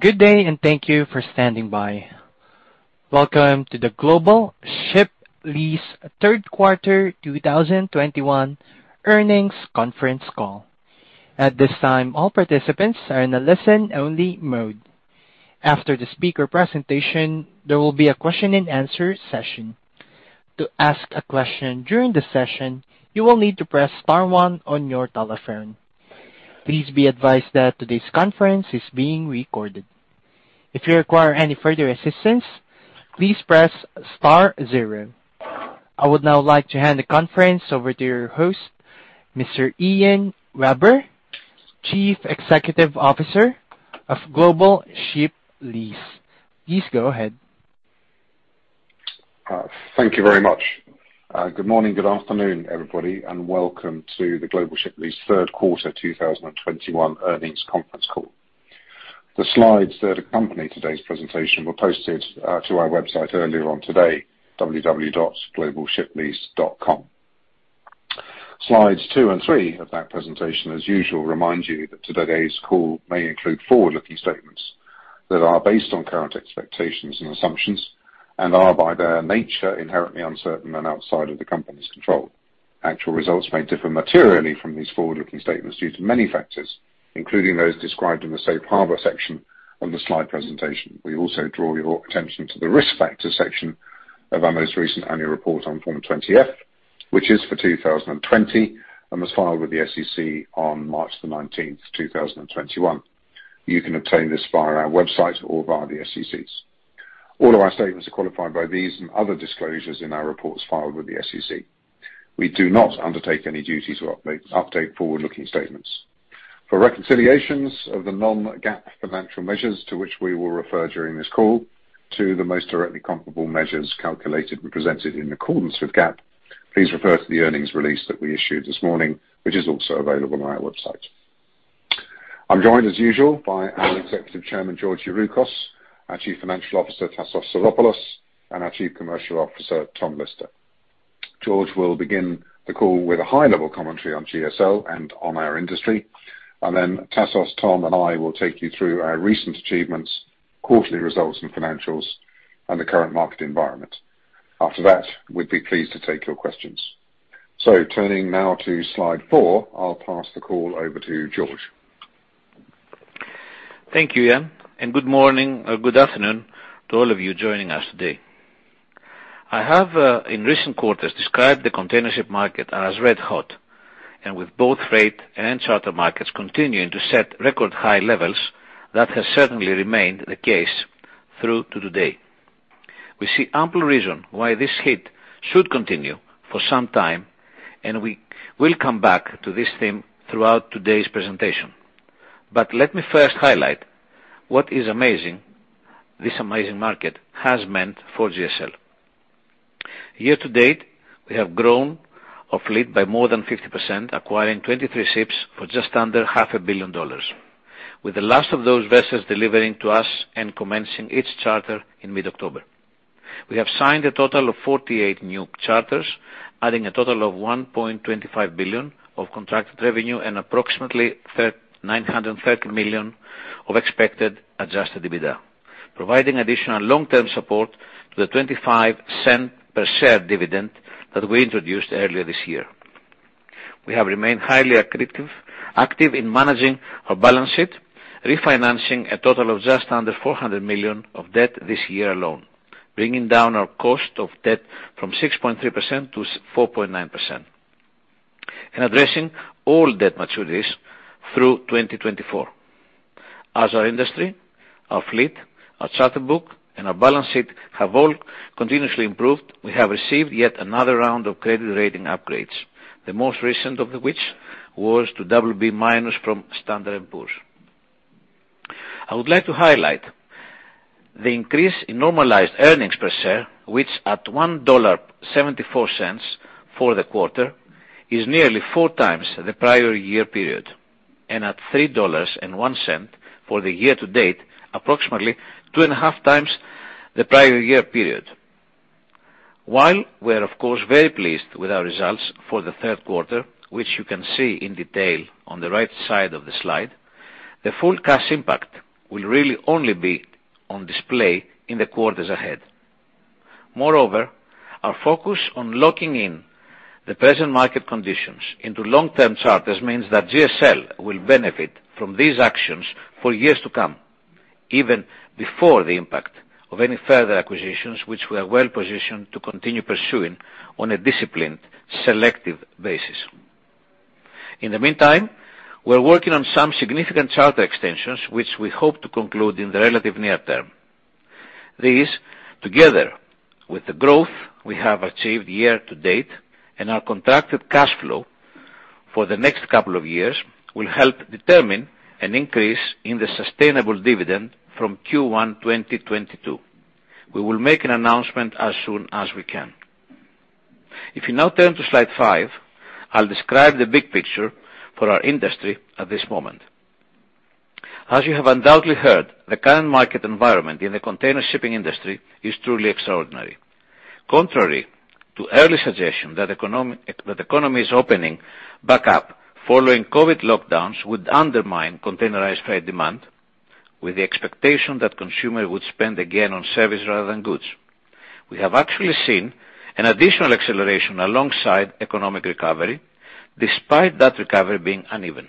Good day, and thank you for standing by. Welcome to the Global Ship Lease third quarter 2021 earnings conference call. At this time, all participants are in a listen-only mode. After the speaker presentation, there will be a question and answer session. To ask a question during the session, you will need to press star one on your telephone. Please be advised that today's conference is being recorded. If you require any further assistance, please press star zero. I would now like to hand the conference over to your host, Mr. Ian Webber, Chief Executive Officer of Global Ship Lease. Please go ahead. Thank you very much. Good morning, good afternoon, everybody, and welcome to the Global Ship Lease third quarter 2021 earnings conference call. The slides that accompany today's presentation were posted to our website earlier today, www.globalshiplease.com. Slides two and three of that presentation, as usual, remind you that today's call may include forward-looking statements that are based on current expectations and assumptions and are, by their nature, inherently uncertain and outside of the company's control. Actual results may differ materially from these forward-looking statements due to many factors, including those described in the Safe Harbor section on the slide presentation. We also draw your attention to the risk factors section of our most recent annual report on Form 20-F, which is for 2020 and was filed with the SEC on March 19, 2021. You can obtain this via our website or via the SEC's. All of our statements are qualified by these and other disclosures in our reports filed with the SEC. We do not undertake any duties to update forward-looking statements. For reconciliations of the non-GAAP financial measures to which we will refer during this call to the most directly comparable measures calculated and presented in accordance with GAAP, please refer to the earnings release that we issued this morning, which is also available on our website. I'm joined, as usual, by our Executive Chairman, George Youroukos, our Chief Financial Officer, Tassos Psaropoulos, and our Chief Commercial Officer, Tom Lister. George will begin the call with a high-level commentary on GSL and on our industry, and then Tassos, Tom, and I will take you through our recent achievements, quarterly results and financials, and the current market environment. After that, we'd be pleased to take your questions. Turning now to slide four, I'll pass the call over to George. Thank you, Ian, and good morning or good afternoon to all of you joining us today. I have in recent quarters described the container ship market as red hot, and with both freight and charter markets continuing to set record high levels, that has certainly remained the case through to today. We see ample reason why this heat should continue for some time, and we will come back to this theme throughout today's presentation. Let me first highlight what this amazing market has meant for GSL. Year to date, we have grown our fleet by more than 50%, acquiring 23 ships for just under half a billion dollars, with the last of those vessels delivering to us and commencing each charter in mid-October. We have signed a total of 48 new charters, adding a total of $1.25 billion of contracted revenue and approximately $930 million of expected adjusted EBITDA, providing additional long-term support to the $0.25 per share dividend that we introduced earlier this year. We have remained highly accretive active in managing our balance sheet, refinancing a total of just under $400 million of debt this year alone, bringing down our cost of debt from 6.3% to 4.9% and addressing all debt maturities through 2024. As our industry, our fleet, our charter book, and our balance sheet have all continuously improved, we have received yet another round of credit rating upgrades, the most recent of which was to BB- from Standard & Poor's. I would like to highlight the increase in normalized earnings per share, which at $1.74 for the quarter, is nearly 4x the prior year period, and at $3.01 for the year-to-date, approximately two and a half times the prior year period. While we're of course very pleased with our results for the third quarter, which you can see in detail on the right side of the slide, the full cash impact will really only be on display in the quarters ahead. Moreover, our focus on locking in the present market conditions into long-term charters means that GSL will benefit from these actions for years to come, even before the impact of any further acquisitions, which we are well-positioned to continue pursuing on a disciplined, selective basis. In the meantime, we're working on some significant charter extensions, which we hope to conclude in the relative near term. These, together with the growth we have achieved year to date and our contracted cash flow for the next couple of years, will help determine an increase in the sustainable dividend from Q1 2022. We will make an announcement as soon as we can. If you now turn to slide five, I'll describe the big picture for our industry at this moment. As you have undoubtedly heard, the current market environment in the container shipping industry is truly extraordinary. Contrary to early suggestion that that economy is opening back up following COVID lockdowns would undermine containerized freight demand with the expectation that consumers would spend again on services rather than goods. We have actually seen an additional acceleration alongside economic recovery despite that recovery being uneven.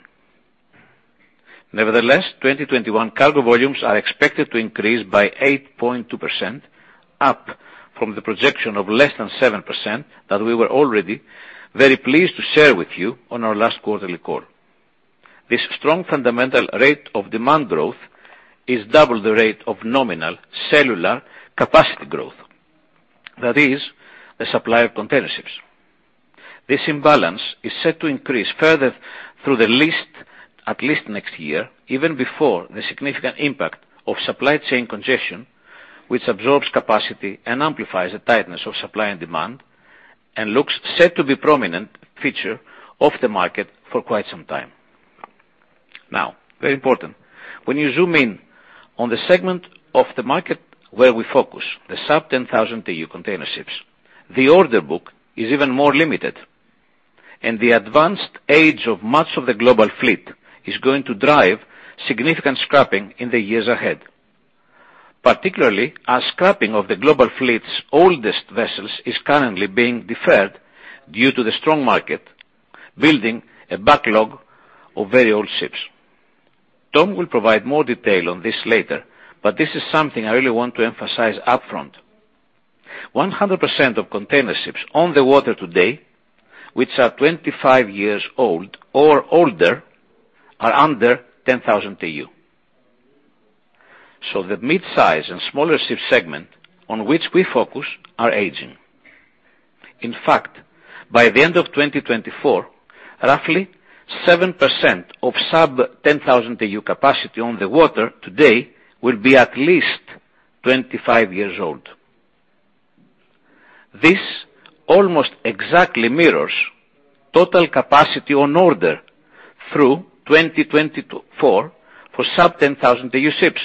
Nevertheless, 2021 cargo volumes are expected to increase by 8.2%, up from the projection of less than 7% that we were already very pleased to share with you on our last quarterly call. This strong fundamental rate of demand growth is double the rate of nominal cellular capacity growth. That is the supply of container ships. This imbalance is set to increase further through to at least next year, even before the significant impact of supply chain congestion, which absorbs capacity and amplifies the tightness of supply and demand, and looks set to be prominent feature of the market for quite some time. Now, very important, when you zoom in on the segment of the market where we focus, the sub-10,000 TEU container ships, the order book is even more limited, and the advanced age of much of the global fleet is going to drive significant scrapping in the years ahead. Particularly as scrapping of the global fleet's oldest vessels is currently being deferred due to the strong market, building a backlog of very old ships. Tom will provide more detail on this later, but this is something I really want to emphasize upfront. 100% of container ships on the water today, which are 25 years old or older, are under 10,000 TEU. The midsize and smaller ship segment on which we focus are aging. In fact, by the end of 2024, roughly 7% of sub-10,000 TEU capacity on the water today will be at least 25 years old. This almost exactly mirrors total capacity on order through 2024 for sub-10,000 TEU ships.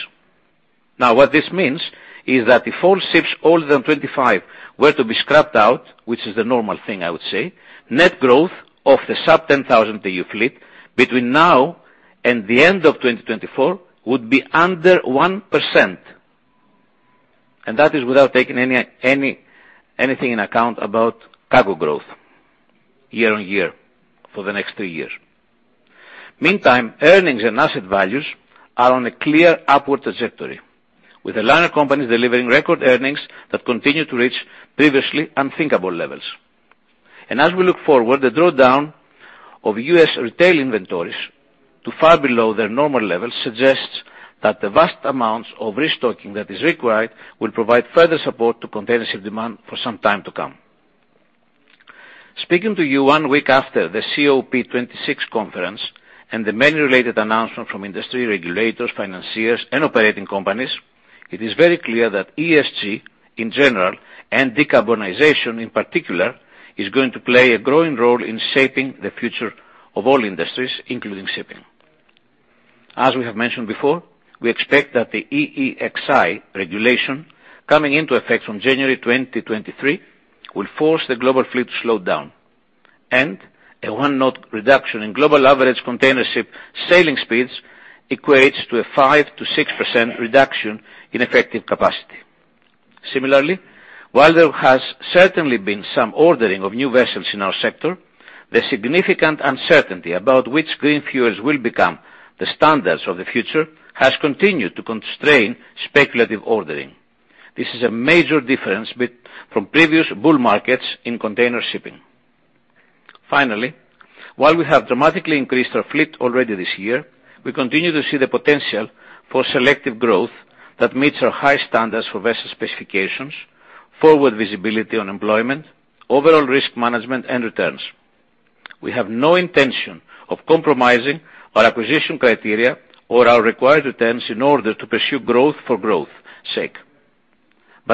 Now what this means is that if all ships older than 25 were to be scrapped out, which is the normal thing I would say, net growth of the sub-10,000 TEU fleet between now and the end of 2024 would be under 1%. That is without taking anything in account about cargo growth year-over-year for the next three years. Meantime, earnings and asset values are on a clear upward trajectory, with the liner companies delivering record earnings that continue to reach previously unthinkable levels. As we look forward, the drawdown of U.S. retail inventories to far below their normal levels suggests that the vast amounts of restocking that is required will provide further support to container ship demand for some time to come. Speaking to you one week after the COP26 conference and the many related announcements from industry regulators, financiers, and operating companies, it is very clear that ESG in general, and decarbonization in particular, is going to play a growing role in shaping the future of all industries, including shipping. As we have mentioned before, we expect that the EEXI regulation coming into effect from January 2023 will force the global fleet to slow down, and a one knot reduction in global average container ship sailing speeds equates to a 5%-6% reduction in effective capacity. Similarly, while there has certainly been some ordering of new vessels in our sector, the significant uncertainty about which green fuels will become the standards of the future has continued to constrain speculative ordering. This is a major difference from previous bull markets in container shipping. Finally, while we have dramatically increased our fleet already this year, we continue to see the potential for selective growth that meets our high standards for vessel specifications, forward visibility on employment, overall risk management, and returns. We have no intention of compromising our acquisition criteria or our required returns in order to pursue growth for growth sake.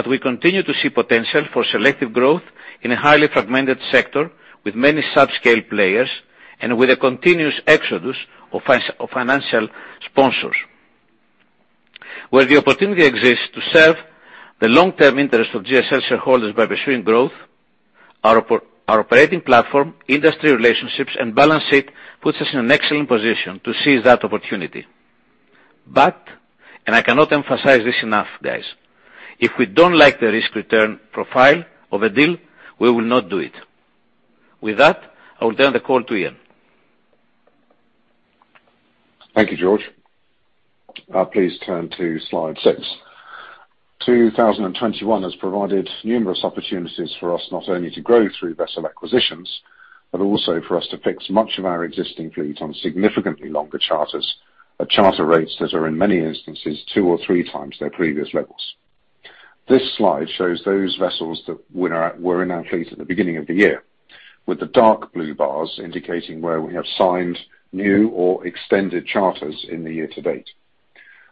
We continue to see potential for selective growth in a highly fragmented sector with many subscale players and with a continuous exodus of financial sponsors. Where the opportunity exists to serve the long-term interests of GSL shareholders by pursuing growth, our operating platform, industry relationships, and balance sheet puts us in an excellent position to seize that opportunity. I cannot emphasize this enough, guys, if we don't like the risk-return profile of a deal, we will not do it. With that, I will turn the call to Ian. Thank you, George. Please turn to slide six. 2021 has provided numerous opportunities for us not only to grow through vessel acquisitions, but also for us to fix much of our existing fleet on significantly longer charters at charter rates that are in many instances 2x or 3x their previous levels. This slide shows those vessels that were in our fleet at the beginning of the year, with the dark blue bars indicating where we have signed new or extended charters in the year to date.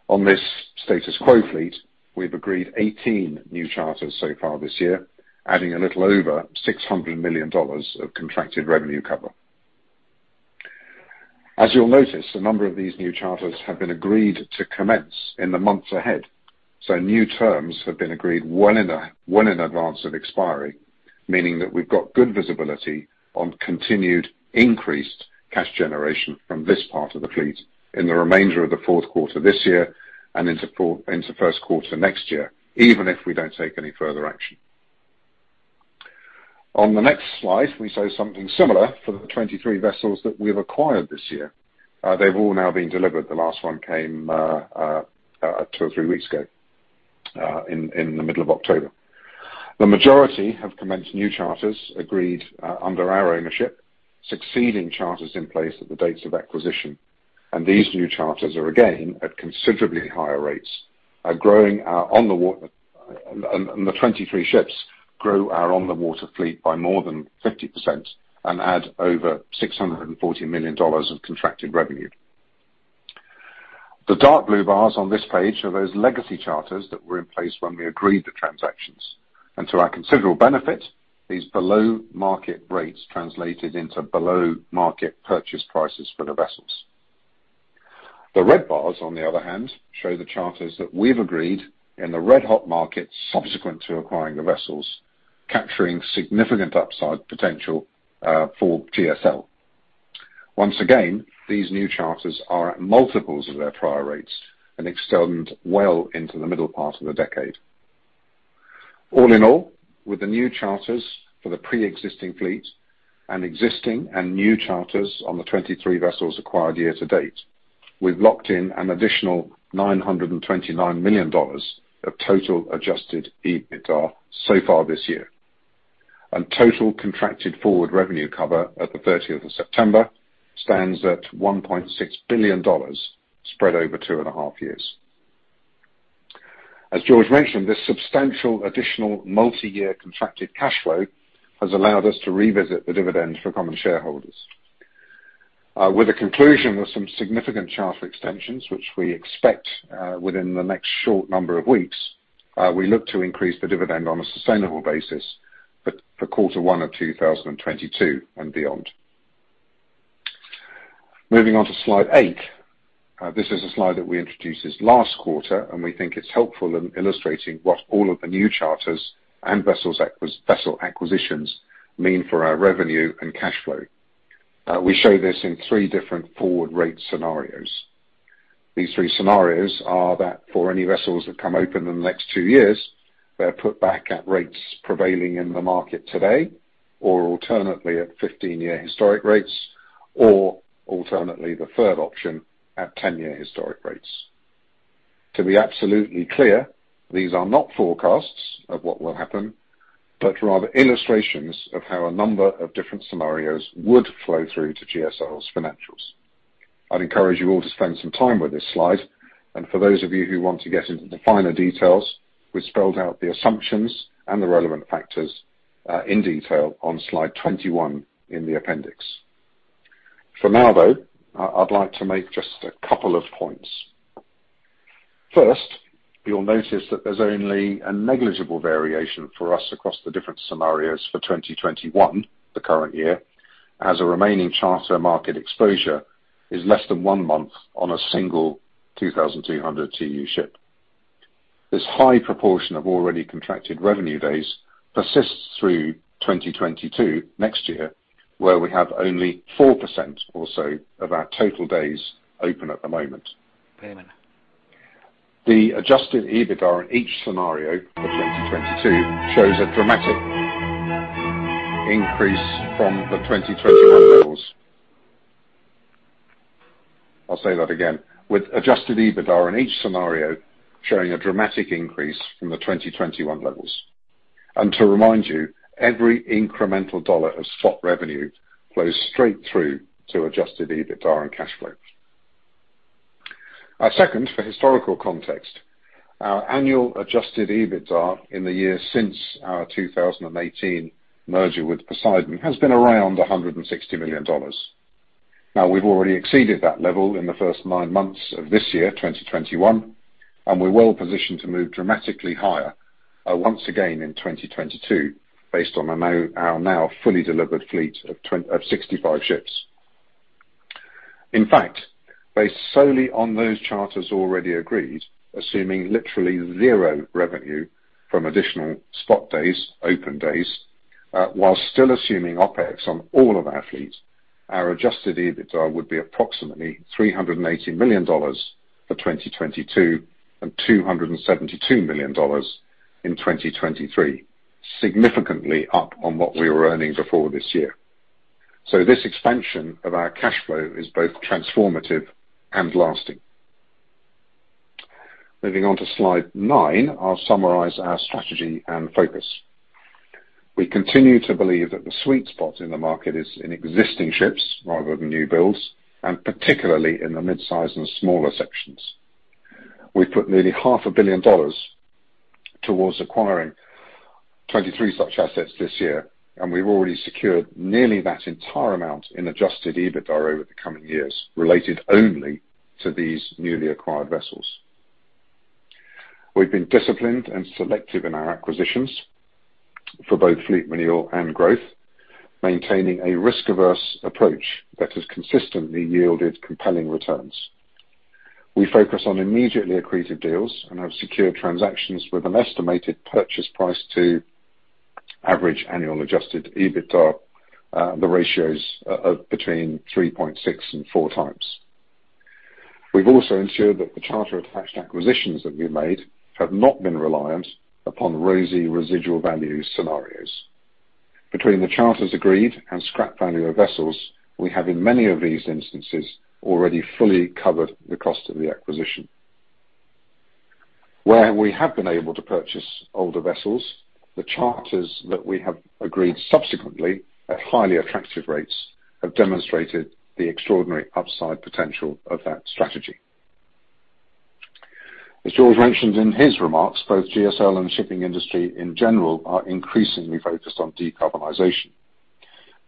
On this status quo fleet, we've agreed 18 new charters so far this year, adding a little over $600 million of contracted revenue cover. As you'll notice, a number of these new charters have been agreed to commence in the months ahead. New terms have been agreed well in advance of expiry, meaning that we've got good visibility on continued increased cash generation from this part of the fleet in the remainder of the fourth quarter this year and into first quarter next year, even if we don't take any further action. On the next slide, we show something similar for the 23 vessels that we've acquired this year. They've all now been delivered. The last one came two or three weeks ago, in the middle of October. The majority have commenced new charters agreed under our ownership, succeeding charters in place at the dates of acquisition. These new charters are again at considerably higher rates, and the 23 ships grow our on-the-water fleet by more than 50% and add over $640 million of contracted revenue. The dark blue bars on this page are those legacy charters that were in place when we agreed the transactions. To our considerable benefit, these below-market rates translated into below-market purchase prices for the vessels. The red bars, on the other hand, show the charters that we've agreed in the red-hot market subsequent to acquiring the vessels, capturing significant upside potential for GSL. Once again, these new charters are at multiples of their prior rates and extend well into the middle part of the decade. All in all, with the new charters for the pre-existing fleet and existing and new charters on the 23 vessels acquired year-to-date, we've locked in an additional $929 million of total adjusted EBITDA so far this year. Total contracted forward revenue cover at the 30th of September stands at $1.6 billion spread over two and a half years. As George mentioned, this substantial additional multiyear contracted cash flow has allowed us to revisit the dividend for common shareholders. With the conclusion of some significant charter extensions, which we expect within the next short number of weeks, we look to increase the dividend on a sustainable basis for quarter one of 2022 and beyond. Moving on to slide eight. This is a slide that we introduced this last quarter, and we think it's helpful in illustrating what all of the new charters and vessel acquisitions mean for our revenue and cash flow. We show this in three different forward rate scenarios. These three scenarios are that for any vessels that come open in the next two years, they're put back at rates prevailing in the market today, or alternately at 15-year historic rates, or alternately, the third option, at 10-year historic rates. To be absolutely clear, these are not forecasts of what will happen, but rather illustrations of how a number of different scenarios would flow through to GSL's financials. I'd encourage you all to spend some time with this slide, and for those of you who want to get into the finer details, we spelled out the assumptions and the relevant factors, in detail on slide 21 in the appendix. For now, though, I'd like to make just a couple of points. First, you'll notice that there's only a negligible variation for us across the different scenarios for 2021, the current year, as a remaining charter market exposure is less than one month on a single 2,200 TEU ship. This high proportion of already contracted revenue days persists through 2022, next year, where we have only 4% or so of our total days open at the moment. The adjusted EBITDA in each scenario for 2022 shows a dramatic increase from the 2021 levels. I'll say that again. With adjusted EBITDA in each scenario showing a dramatic increase from the 2021 levels. To remind you, every incremental dollar of spot revenue flows straight through to adjusted EBITDA and cash flow. Second, for historical context, our annual adjusted EBITDA in the years since our 2018 merger with Poseidon has been around $160 million. Now, we've already exceeded that level in the first nine months of this year, 2021, and we're well positioned to move dramatically higher, once again in 2022, based on our fully delivered fleet of 65 ships. In fact, based solely on those charters already agreed, assuming literally zero revenue from additional spot days, open days, while still assuming OpEx on all of our fleet, our adjusted EBITDA would be approximately $380 million for 2022 and $272 million in 2023, significantly up on what we were earning before this year. This expansion of our cash flow is both transformative and lasting. Moving on to slide nine, I'll summarize our strategy and focus. We continue to believe that the sweet spot in the market is in existing ships rather than new builds, and particularly in the midsize and smaller sections. We've put nearly $0.5 billion towards acquiring 23 such assets this year, and we've already secured nearly that entire amount in adjusted EBITDA over the coming years related only to these newly acquired vessels. We've been disciplined and selective in our acquisitions for both fleet renewal and growth, maintaining a risk-averse approach that has consistently yielded compelling returns. We focus on immediately accretive deals and have secured transactions with an estimated purchase price to average annual adjusted EBITDA ratios of between 3.6x and 4x. We've also ensured that the charter-attached acquisitions that we've made have not been reliant upon rosy residual value scenarios. Between the charters agreed and scrap value of vessels, we have in many of these instances already fully covered the cost of the acquisition. Where we have been able to purchase older vessels, the charters that we have agreed subsequently at highly attractive rates have demonstrated the extraordinary upside potential of that strategy. As George mentioned in his remarks, both GSL and the shipping industry in general are increasingly focused on decarbonization.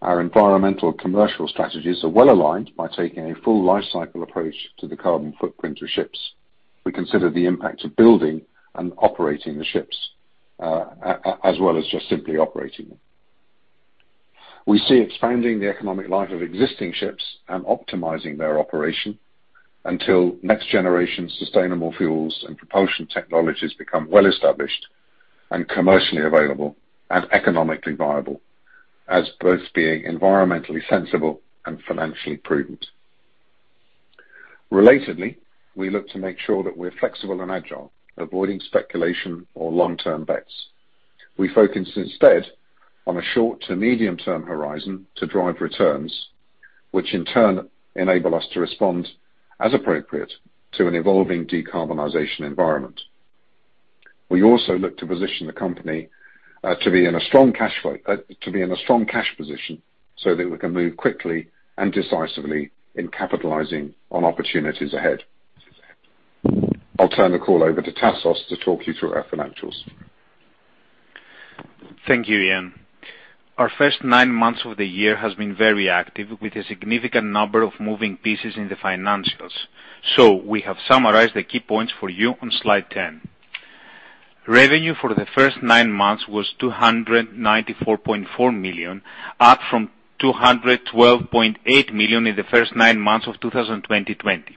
Our environmental commercial strategies are well-aligned by taking a full lifecycle approach to the carbon footprint of ships. We consider the impact of building and operating the ships, as well as just simply operating them. We see expanding the economic life of existing ships and optimizing their operation until next-generation sustainable fuels and propulsion technologies become well-established and commercially available and economically viable as both being environmentally sensible and financially prudent. Relatedly, we look to make sure that we're flexible and agile, avoiding speculation or long-term bets. We focus instead on a short to medium-term horizon to drive returns, which in turn enable us to respond as appropriate to an evolving decarbonization environment. We also look to position the company to be in a strong cash position so that we can move quickly and decisively in capitalizing on opportunities ahead. I'll turn the call over to Tassos to talk you through our financials. Thank you, Ian. Our first nine months of the year has been very active, with a significant number of moving pieces in the financials, so we have summarized the key points for you on slide 10. Revenue for the first nine months was $294.4 million, up from $212.8 million in the first nine months of 2020.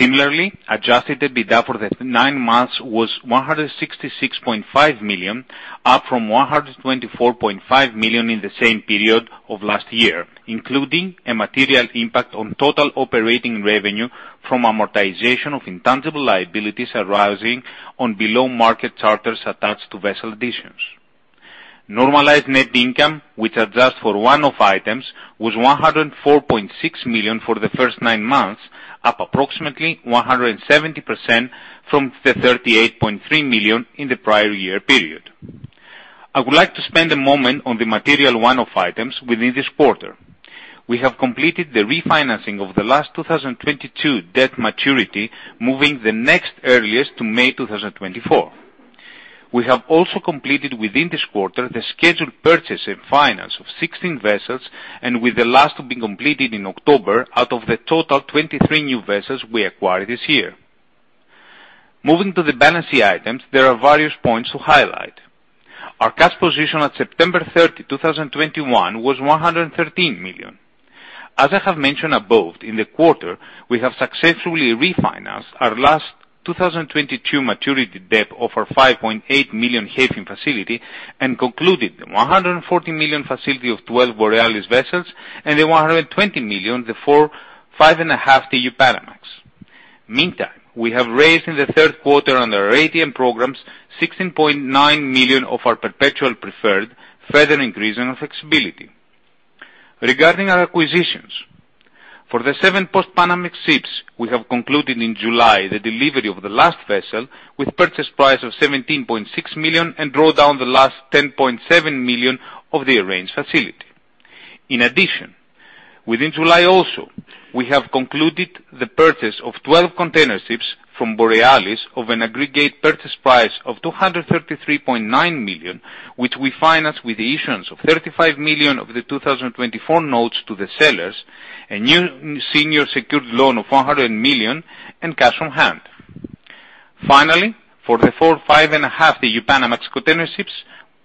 Similarly, adjusted EBITDA for the nine months was $166.5 million, up from $124.5 million in the same period of last year, including a material impact on total operating revenue from amortization of intangible liabilities arising on below-market charters attached to vessel additions. Normalized net income, which adjusts for one-off items, was $104.6 million for the first nine months, up approximately 170% from the $38.3 million in the prior year period. I would like to spend a moment on the material one-off items within this quarter. We have completed the refinancing of the last 2022 debt maturity, moving the next earliest to May 2024. We have also completed within this quarter the scheduled purchase and finance of 16 vessels, and with the last to be completed in October, out of the total 23 new vessels we acquired this year. Moving to the balance sheet items, there are various points to highlight. Our cash position at September 30, 2021 was $113 million. As I have mentioned above, in the quarter, we have successfully refinanced our last 2022 maturity debt of our $5.8 million Hayfin facility and concluded the $140 million facility of 12 Borealis vessels and the $120 million for the four 5,500 TEU Panamax. Meantime, we have raised in the third quarter under our ATM programs $16.9 million of our perpetual preferred, further increasing our flexibility. Regarding our acquisitions, for the seven post-Panamax ships we have concluded in July the delivery of the last vessel with purchase price of $17.6 million and draw down the last $10.7 million of the arranged facility. In addition, within July also, we have concluded the purchase of 12 container ships from Borealis of an aggregate purchase price of $233.9 million, which we financed with the issuance of $35 million of the 2024 notes to the sellers, a new senior secured loan of $100 million, and cash on hand. Finally, for the 4, 5,500 TEU Panamax container ships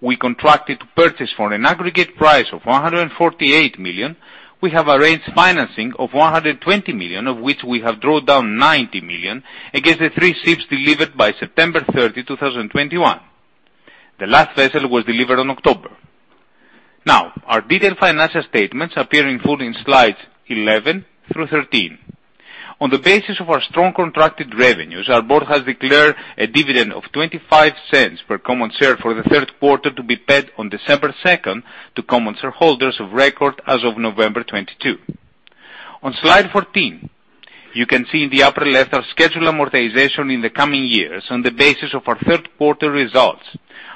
we contracted to purchase for an aggregate price of $148 million, we have arranged financing of $120 million, of which we have drawn down $90 million against the three ships delivered by September 30, 2021. The last vessel was delivered in October. Now, our detailed financial statements appear in full in slides 11 through 13. On the basis of our strong contracted revenues, our board has declared a dividend of $0.25 per common share for the third quarter to be paid on December 2nd to common shareholders of record as of November 22. On slide 14, you can see in the upper left our scheduled amortization in the coming years on the basis of our third quarter results.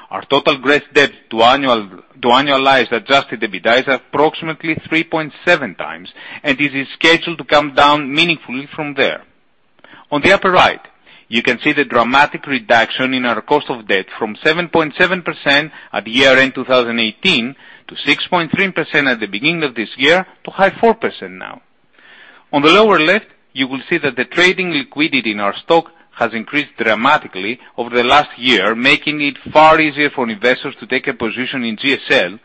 Our total gross debt to annualized adjusted EBITDA is approximately 3.7x, and it is scheduled to come down meaningfully from there. On the upper right, you can see the dramatic reduction in our cost of debt from 7.7% at year-end 2018 to 6.3% at the beginning of this year to 4% now. On the lower left, you will see that the trading liquidity in our stock has increased dramatically over the last year, making it far easier for investors to take a position in GSL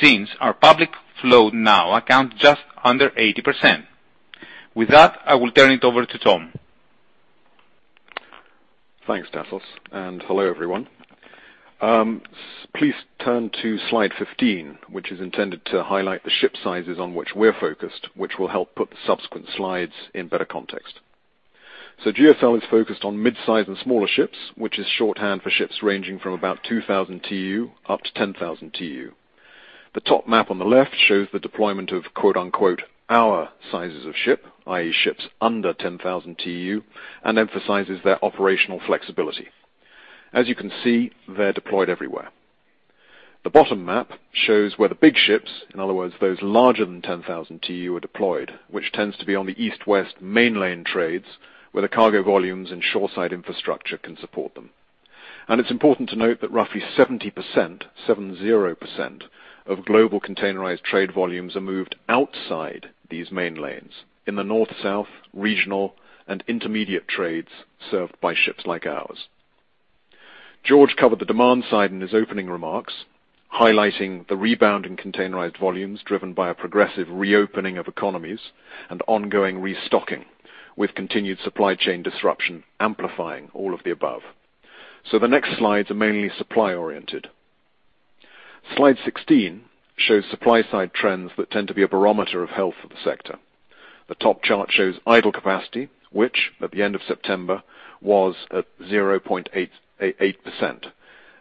since our public flow now accounts just under 80%. With that, I will turn it over to Tom. Thanks, Tassos, and hello, everyone. Please turn to slide 15, which is intended to highlight the ship sizes on which we're focused, which will help put the subsequent slides in better context. GSL is focused on mid-size and smaller ships, which is shorthand for ships ranging from about 2,000 TEU up to 10,000 TEU. The top map on the left shows the deployment of quote-unquote, "our sizes of ship," i.e., ships under 10,000 TEU, and emphasizes their operational flexibility. As you can see, they're deployed everywhere. The bottom map shows where the big ships, in other words, those larger than 10,000 TEU, are deployed, which tends to be on the east-west main lane trades, where the cargo volumes and shoreside infrastructure can support them. It's important to note that roughly 70%, 70%, of global containerized trade volumes are moved outside these main lanes in the north-south, regional, and intermediate trades served by ships like ours. George covered the demand side in his opening remarks, highlighting the rebound in containerized volumes driven by a progressive reopening of economies and ongoing restocking, with continued supply chain disruption amplifying all of the above. The next slides are mainly supply-oriented. Slide 16 shows supply-side trends that tend to be a barometer of health for the sector. The top chart shows idle capacity, which at the end of September, was at 0.888%.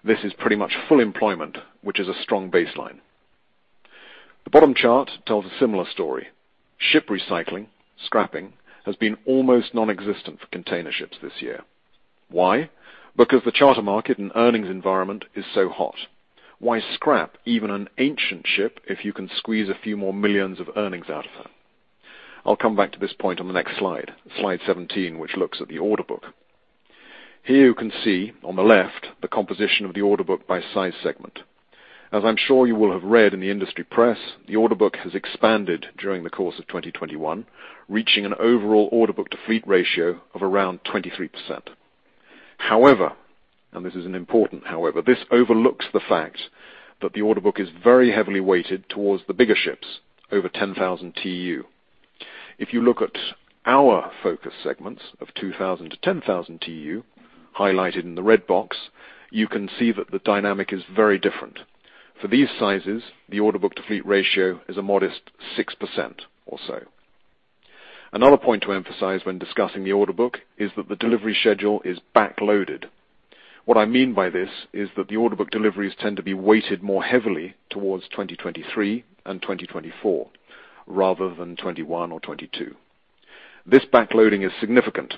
This is pretty much full employment, which is a strong baseline. The bottom chart tells a similar story. Ship recycling, scrapping, has been almost nonexistent for container ships this year. Why? Because the charter market and earnings environment is so hot. Why scrap even an ancient ship if you can squeeze a few more millions of earnings out of her? I'll come back to this point on the next slide 17, which looks at the order book. Here you can see on the left the composition of the order book by size segment. As I'm sure you will have read in the industry press, the order book has expanded during the course of 2021, reaching an overall order book-to-fleet ratio of around 23%. However, and this is an important however, this overlooks the fact that the order book is very heavily weighted towards the bigger ships over 10,000 TEU. If you look at our focus segments of 2,000-10,000 TEU, highlighted in the red box, you can see that the dynamic is very different. For these sizes, the order book-to-fleet ratio is a modest 6% or so. Another point to emphasize when discussing the order book is that the delivery schedule is backloaded. What I mean by this is that the order book deliveries tend to be weighted more heavily towards 2023 and 2024, rather than 2021 or 2022. This backloading is significant,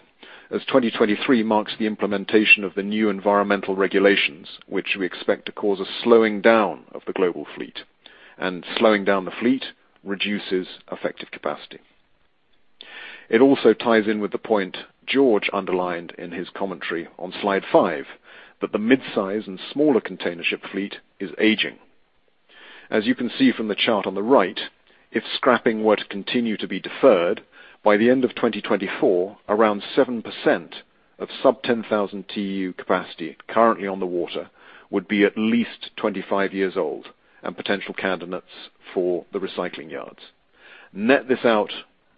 as 2023 marks the implementation of the new environmental regulations, which we expect to cause a slowing down of the global fleet, and slowing down the fleet reduces effective capacity. It also ties in with the point George underlined in his commentary on slide five, that the midsize and smaller container ship fleet is aging. As you can see from the chart on the right, if scrapping were to continue to be deferred, by the end of 2024, around 7% of sub-10,000 TEU capacity currently on the water would be at least 25 years old and potential candidates for the recycling yards. Net this out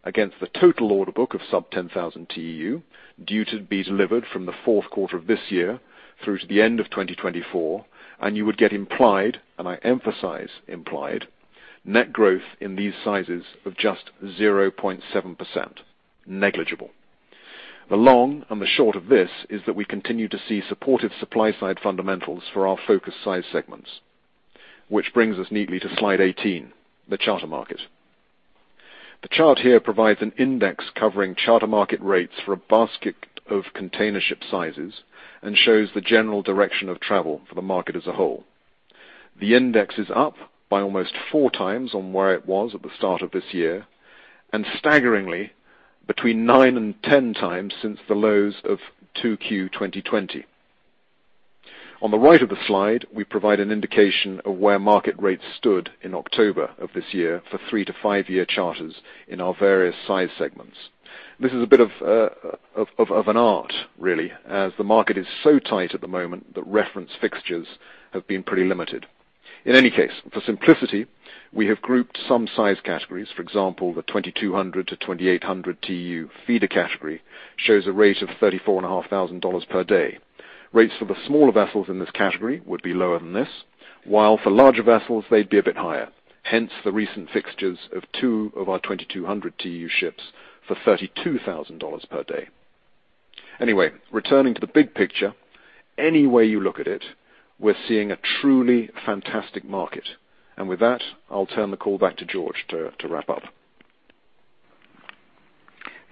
against the total order book of sub-10,000 TEU due to be delivered from the fourth quarter of this year through to the end of 2024, and you would get implied, and I emphasize implied, net growth in these sizes of just 0.7%. Negligible. The long and the short of this is that we continue to see supportive supply-side fundamentals for our focus size segments. Which brings us neatly to slide 18, the charter market. The chart here provides an index covering charter market rates for a basket of container ship sizes and shows the general direction of travel for the market as a whole. The index is up by almost four times on where it was at the start of this year, and staggeringly, between nine and 10 times since the lows of 2Q 2020. On the right of the slide, we provide an indication of where market rates stood in October of this year for 3- to 5-year charters in our various size segments. This is a bit of an art really, as the market is so tight at the moment that reference fixtures have been pretty limited. In any case, for simplicity, we have grouped some size categories. For example, the 2,200-2,800 TEU feeder category shows a rate of $34,500 per day. Rates for the smaller vessels in this category would be lower than this, while for larger vessels, they'd be a bit higher, hence the recent fixtures of two of our 2,200 TEU ships for $32,000 per day. Anyway, returning to the big picture, any way you look at it, we're seeing a truly fantastic market. With that, I'll turn the call back to George to wrap up.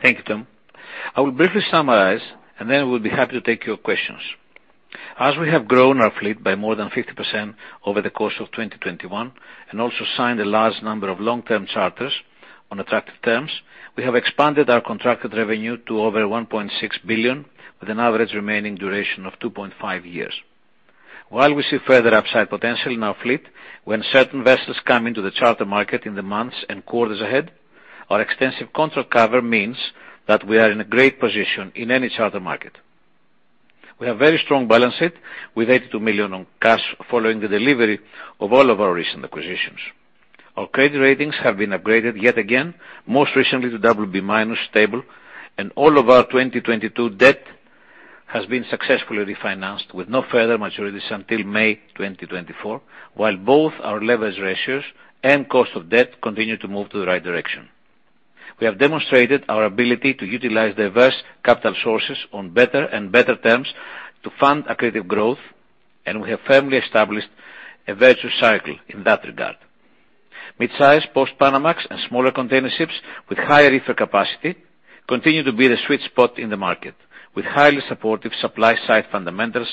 Thank you, Tom. I will briefly summarize, and then we'll be happy to take your questions. As we have grown our fleet by more than 50% over the course of 2021, and also signed a large number of long-term charters on attractive terms, we have expanded our contracted revenue to over $1.6 billion, with an average remaining duration of 2.5 years. While we see further upside potential in our fleet when certain vessels come into the charter market in the months and quarters ahead, our extensive contract cover means that we are in a great position in any charter market. We have very strong balance sheet with $82 million on cash following the delivery of all of our recent acquisitions. Our credit ratings have been upgraded yet again, most recently to BB- stable, and all of our 2022 debt has been successfully refinanced with no further maturities until May 2024, while both our leverage ratios and cost of debt continue to move in the right direction. We have demonstrated our ability to utilize diverse capital sources on better and better terms to fund accretive growth, and we have firmly established a virtuous cycle in that regard. Midsize post-Panamax and smaller container ships with higher reefer capacity continue to be the sweet spot in the market with highly supportive supply-side fundamentals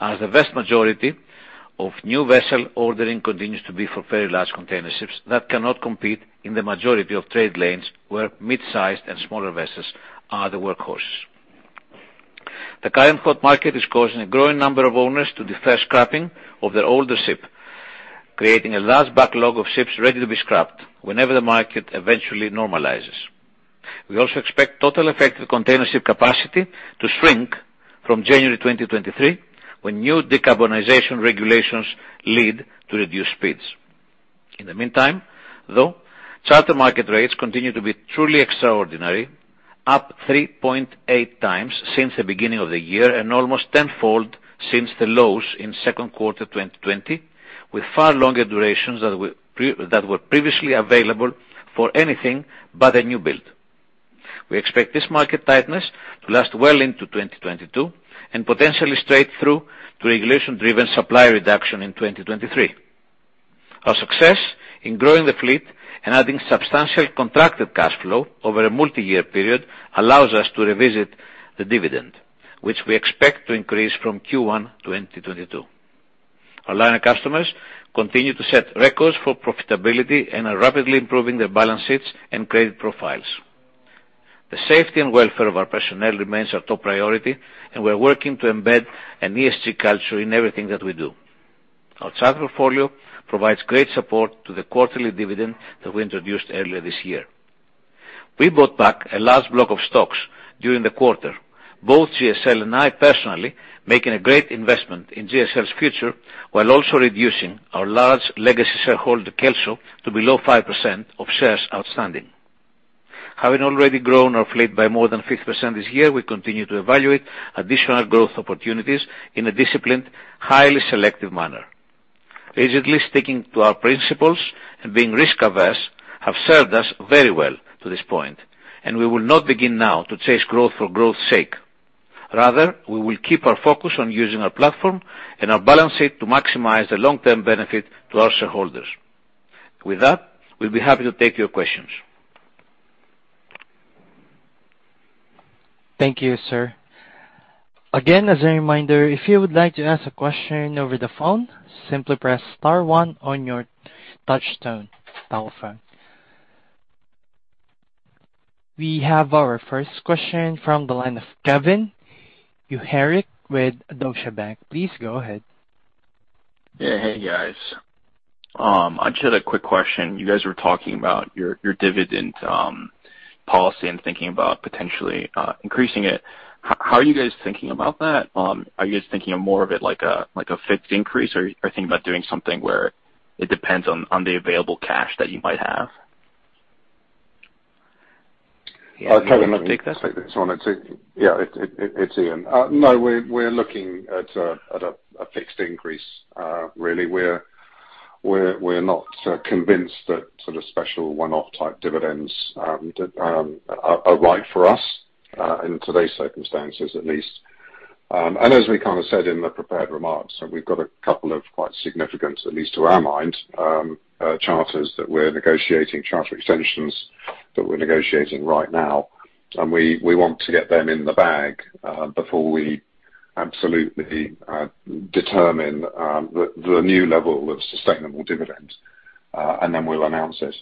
as the vast majority of new vessel ordering continues to be for very large container ships that cannot compete in the majority of trade lanes where mid-sized and smaller vessels are the workhorses. The current hot market is causing a growing number of owners to defer scrapping of their older ship, creating a large backlog of ships ready to be scrapped whenever the market eventually normalizes. We also expect total effective container ship capacity to shrink from January 2023, when new decarbonization regulations lead to reduced speeds. In the meantime, though, charter market rates continue to be truly extraordinary, up 3.8x since the beginning of the year and almost tenfold since the lows in second quarter 2020, with far longer durations that were previously available for anything but a new build. We expect this market tightness to last well into 2022 and potentially straight through to regulation-driven supply reduction in 2023. Our success in growing the fleet and adding substantial contracted cash flow over a multi-year period allows us to revisit the dividend, which we expect to increase from Q1 2022. Our liner customers continue to set records for profitability and are rapidly improving their balance sheets and credit profiles. The safety and welfare of our personnel remains our top priority, and we are working to embed an ESG culture in everything that we do. Our charter portfolio provides great support to the quarterly dividend that we introduced earlier this year. We bought back a large block of stocks during the quarter, both GSL and I personally making a great investment in GSL's future while also reducing our large legacy shareholder, Kelso, to below 5% of shares outstanding. Having already grown our fleet by more than 50% this year, we continue to evaluate additional growth opportunities in a disciplined, highly selective manner. Rigorously sticking to our principles and being risk-averse have served us very well to this point, and we will not begin now to chase growth for growth's sake. Rather, we will keep our focus on using our platform and our balance sheet to maximize the long-term benefit to our shareholders. With that, we'll be happy to take your questions. Thank you, sir. Again, as a reminder, if you would like to ask a question over the phone, simply press star one on your touchtone telephone. We have our first question from the line of Kevin Uherek with Deutsche Bank. Please go ahead. Yeah. Hey, guys. I just had a quick question. You guys were talking about your dividend policy and thinking about potentially increasing it. How are you guys thinking about that? Are you guys thinking of more of it like a fixed increase, or thinking about doing something where it depends on the available cash that you might have? Kevin, let me take this one. It's Ian. No, we're not convinced that sort of special one-off type dividends are right for us in today's circumstances at least. As we kind of said in the prepared remarks, and we've got a couple of quite significant, at least to our mind, charters that we're negotiating, charter extensions that we're negotiating right now, and we want to get them in the bag before we absolutely determine the new level of sustainable dividend, and then we'll announce it.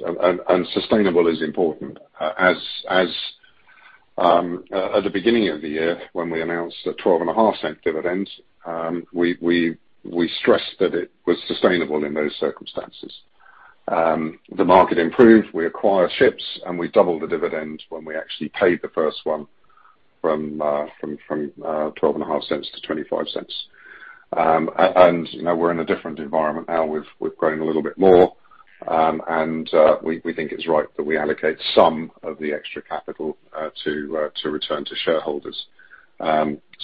Sustainable is important. At the beginning of the year when we announced a $0.125 dividend, we stressed that it was sustainable in those circumstances. The market improved, we acquired ships, and we doubled the dividend when we actually paid the first one from $0.125 to $0.25. You know, we're in a different environment now. We've grown a little bit more, and we think it's right that we allocate some of the extra capital to return to shareholders.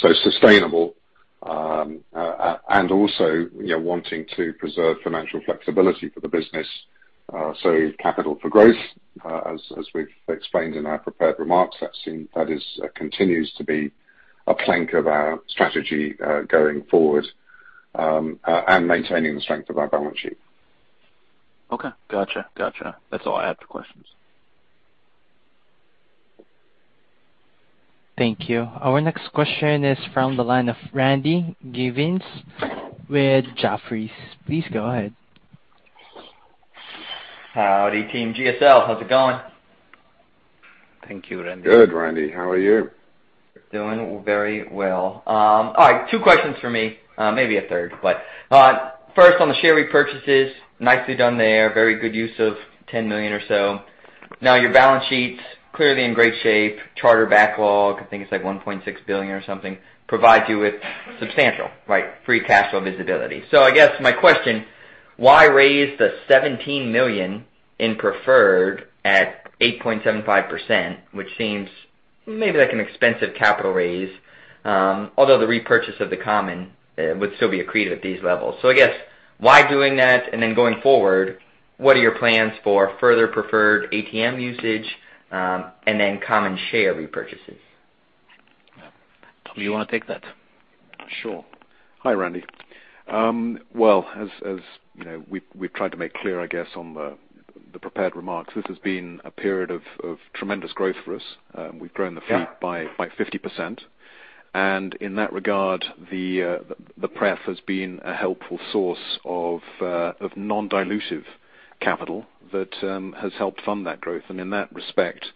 Sustainable, and also, you know, wanting to preserve financial flexibility for the business, so capital for growth, as we've explained in our prepared remarks, that is, continues to be a plank of our strategy going forward, and maintaining the strength of our balance sheet. Okay. Gotcha. That's all I have for questions. Thank you. Our next question is from the line of Randy Giveans with Jefferies. Please go ahead. Howdy team GSL. How's it going? Thank you, Randy. Good, Randy. How are you? Doing very well. All right, two questions for me, maybe a third. First on the share repurchases. Nicely done there. Very good use of $10 million or so. Now your balance sheet's clearly in great shape. Charter backlog, I think it's like $1.6 billion or something, provides you with substantial, right, free cash flow visibility. I guess my question, why raise the $17 million in preferred at 8.75%, which seems maybe like an expensive capital raise, although the repurchase of the common would still be accretive at these levels? I guess why doing that? And then going forward, what are your plans for further preferred ATM usage, and then common share repurchases? Yeah. Do you want to take that? Sure. Hi, Randy. Well, as you know, we've tried to make clear, I guess, on the prepared remarks, this has been a period of tremendous growth for us. We've grown the fleet by 50% Yeah. In that regard, the pref has been a helpful source of non-dilutive capital that has helped fund that growth. In that respect,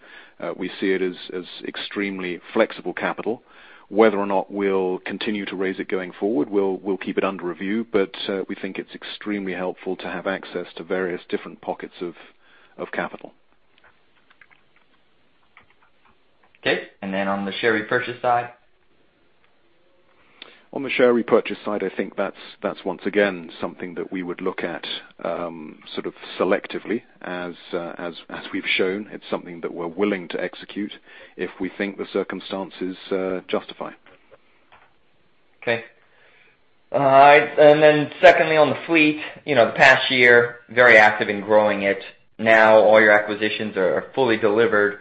we see it as extremely flexible capital. Whether or not we'll continue to raise it going forward, we'll keep it under review, but we think it's extremely helpful to have access to various different pockets of capital. Okay. On the share repurchase side? On the share repurchase side, I think that's once again something that we would look at, sort of selectively. As we've shown, it's something that we're willing to execute if we think the circumstances justify. Okay. All right. Secondly, on the fleet, you know, the past year, very active in growing it. Now all your acquisitions are fully delivered.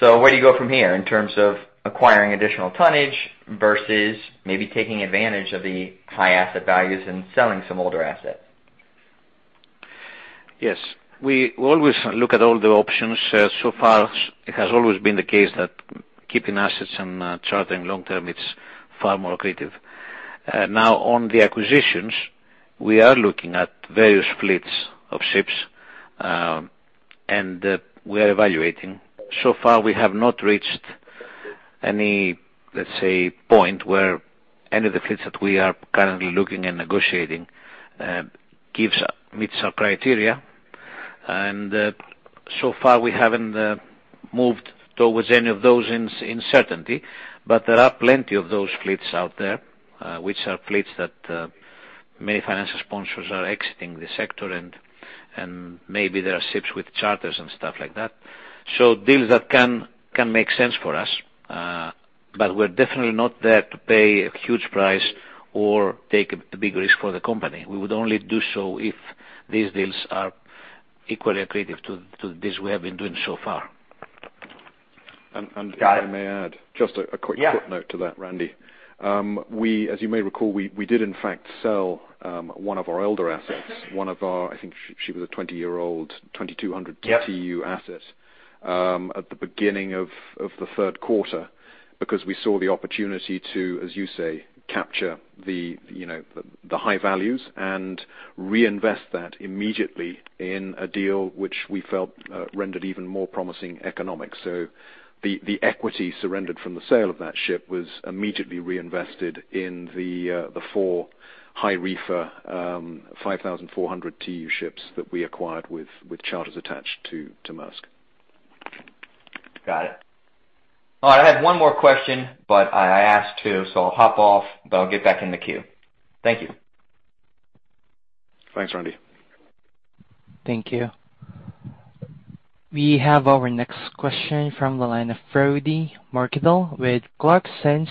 Where do you go from here in terms of acquiring additional tonnage versus maybe taking advantage of the high asset values and selling some older assets? Yes. We always look at all the options. So far it has always been the case that keeping assets and chartering long-term, it's far more accretive. Now on the acquisitions, we are looking at various fleets of ships, and we are evaluating. So far we have not reached any, let's say, point where any of the fleets that we are currently looking and negotiating meets our criteria. So far we haven't moved towards any of those in certainty. There are plenty of those fleets out there, which are fleets that many financial sponsors are exiting the sector and maybe there are ships with charters and stuff like that. Deals that can make sense for us, but we're definitely not there to pay a huge price or take a big risk for the company. We would only do so if these deals are equally accretive to the deals we have been doing so far. And, and if I may add just a quick. Yeah. Quick note to that, Randy. As you may recall, we did in fact sell one of our older assets. I think she was a 20-year-old, 2,200 TEU asset. Yep. At the beginning of the third quarter because we saw the opportunity to, as you say, capture, you know, the high values and reinvest that immediately in a deal which we felt rendered even more promising economics. The equity surrendered from the sale of that ship was immediately reinvested in the four high reefer 5,400 TEU ships that we acquired with charters attached to Maersk. Got it. All right, I have one more question, but I asked two, so I'll hop off, but I'll get back in the queue. Thank you. Thanks, Randy. Thank you. We have our next question from the line of Frode Mørkedal with Clarksons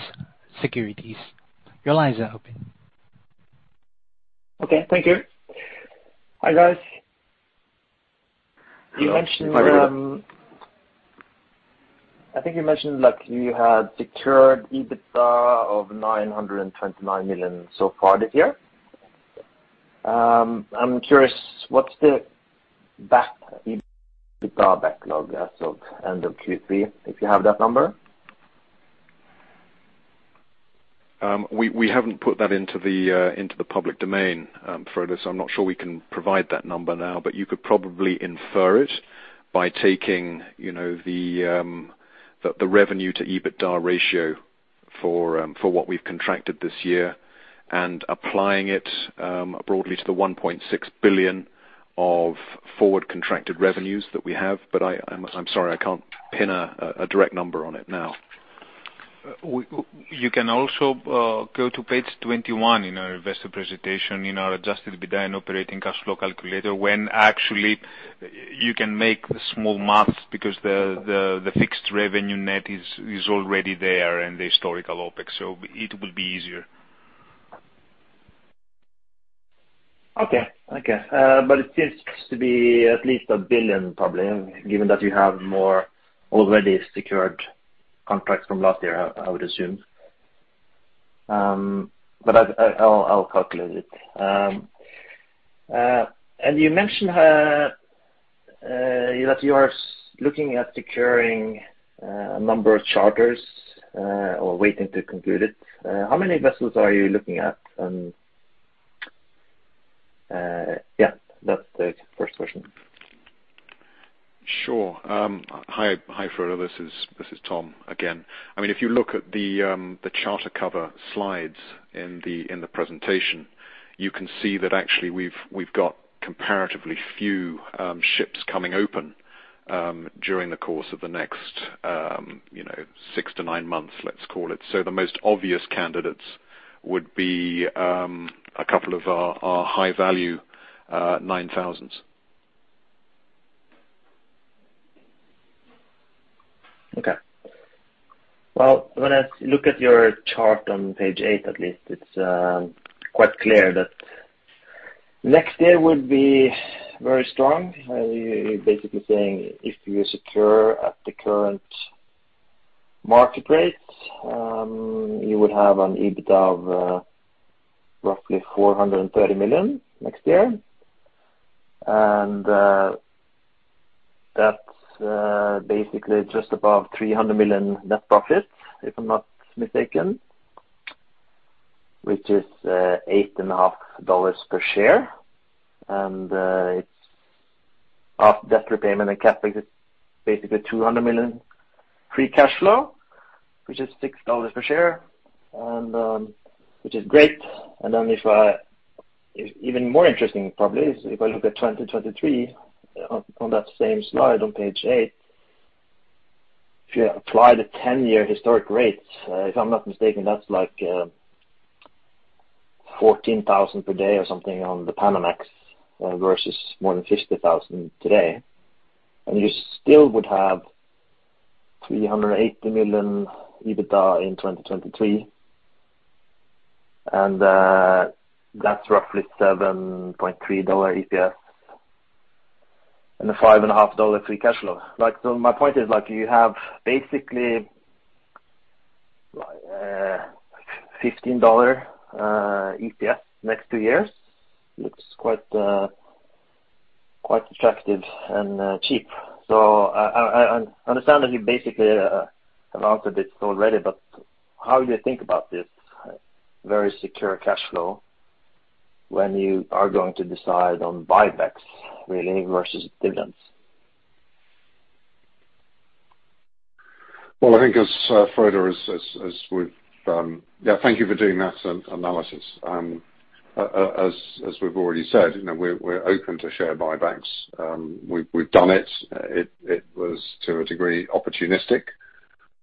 Securities. Your line is open. Okay, thank you. Hi, guys. Hello. You mentioned, I think you mentioned like you had secured EBITDA of $929 million so far this year. I'm curious what's the EBITDA backlog as of end of Q3, if you have that number? We haven't put that into the public domain, Frode, so I'm not sure we can provide that number now. You could probably infer it by taking, you know, the revenue to EBITDA ratio for what we've contracted this year and applying it broadly to the $1.6 billion of forward contracted revenues that we have. I'm sorry, I can't pin a direct number on it now. You can also go to page 21 in our investor presentation in our adjusted EBITDA and operating cash flow calculator when actually you can make small math because the fixed revenue net is already there in the historical OpEx, so it will be easier. Okay. It seems to be at least $1 billion probably, given that you have more already secured contracts from last year, I would assume. I'll calculate it. You mentioned that you are looking at securing a number of charters or waiting to conclude it. How many vessels are you looking at? Yeah, that's the first question. Sure. Hi, Frode. This is Tom again. I mean, if you look at the charter cover slides in the presentation, you can see that actually we've got comparatively few ships coming open during the course of the next you know six to nine months, let's call it. The most obvious candidates would be a couple of our high value nine thousands. Okay. Well, when I look at your chart on page eight, at least, it's quite clear that next year would be very strong. You're basically saying if you secure at the current market rate, you would have an EBITDA of roughly $430 million next year. That's basically just above $300 million net profit, if I'm not mistaken, which is $8.50 per share. It's half debt repayment and CapEx is basically $200 million free cash flow, which is $6 per share. Which is great. Even more interesting probably is if I look at 2023 on that same slide on page eight, if you apply the ten-year historic rates, if I'm not mistaken, that's like 14,000 per day or something on the Panamax versus more than 50,000 today. You still would have $380 million EBITDA in 2023. That's roughly $7.3 EPS and $5.5 free cash flow. Like, so my point is like you have basically $15 EPS next two years. Looks quite attractive and cheap. I understand that you basically announced this already, but how do you think about this very secure cash flow when you are going to decide on buybacks really versus dividends? Yeah, thank you for doing that analysis. As we've already said, you know, we're open to share buybacks. We've done it. It was to a degree opportunistic.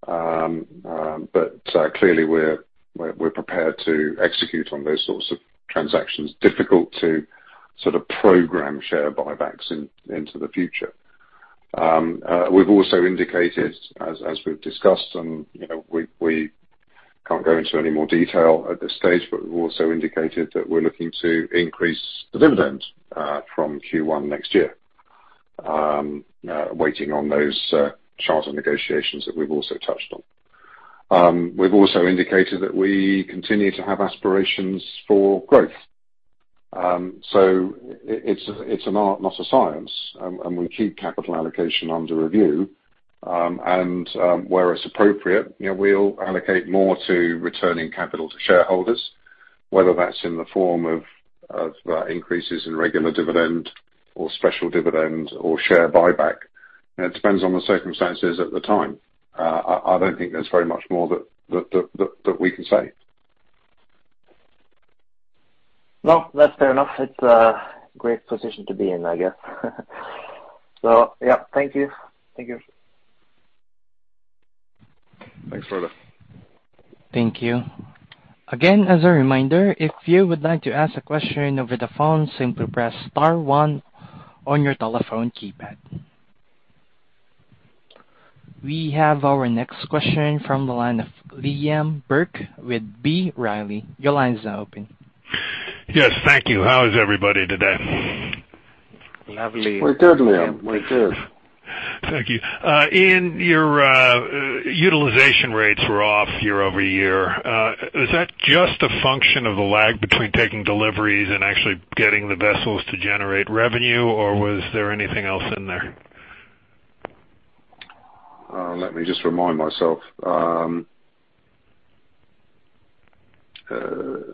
But clearly we're prepared to execute on those sorts of transactions. Difficult to sort of program share buybacks into the future. We've also indicated as we've discussed, and you know, we can't go into any more detail at this stage, but we've also indicated that we're looking to increase the dividend from Q1 next year, waiting on those charter negotiations that we've also touched on. We've also indicated that we continue to have aspirations for growth. It's an art not a science, and we keep capital allocation under review, and where it's appropriate, you know, we'll allocate more to returning capital to shareholders, whether that's in the form of increases in regular dividend or special dividends or share buyback. You know, it depends on the circumstances at the time. I don't think there's very much more that we can say. No, that's fair enough. It's a great position to be in, I guess. Yeah. Thank you. Thank you. Thanks, Frode. Thank you. Again, as a reminder, if you would like to ask a question over the phone, simply press star one on your telephone keypad. We have our next question from the line of Liam Burke with B. Riley. Your line is now open. Yes. Thank you. How is everybody today? Lovely. We're good, Liam. We're good. Thank you. Ian, your utilization rates were off year-over-year. Is that just a function of the lag between taking deliveries and actually getting the vessels to generate revenue? Or was there anything else in there? Let me just remind myself.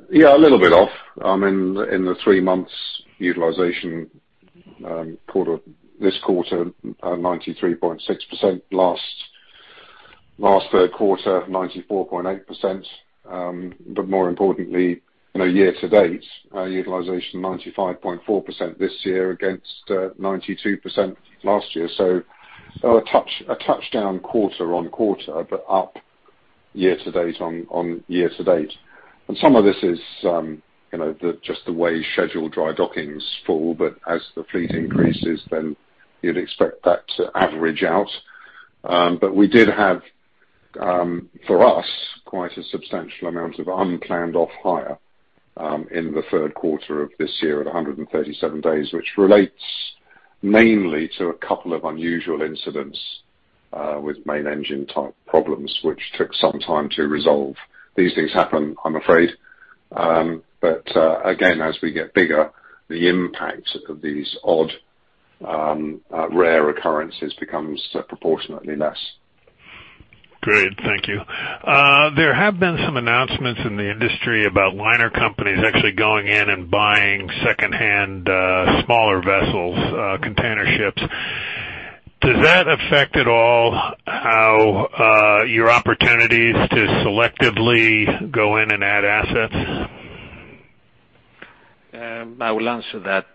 Yeah, a little bit off. I mean, in the three months utilization quarter. This quarter, 93.6%. Last third quarter, 94.8%. But more importantly, you know year-to-date, utilization 95.4% this year against 92% last year. So a touch, a touchdown quarter-over-quarter, but up year-to-date on year-to-date. Some of this is just the way scheduled dry dockings fall. As the fleet increases, then you'd expect that to average out. We did have, for us, quite a substantial amount of unplanned off hire in the third quarter of this year at 137 days, which relates mainly to a couple of unusual incidents with main engine type problems, which took some time to resolve. These things happen, I'm afraid. Again, as we get bigger, the impact of these odd Rare occurrences becomes proportionately less. Great. Thank you. There have been some announcements in the industry about liner companies actually going in and buying secondhand, smaller vessels, container ships. Does that affect at all how your opportunities to selectively go in and add assets? I will answer that.